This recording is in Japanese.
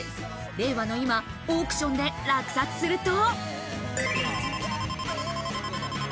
令和の今、オークションで落札すると。